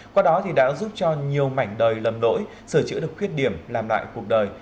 qua đó thì đã giúp cho nhiều mảnh đời lầm lỗi sửa chữa được khuyết điểm làm lại cuộc đời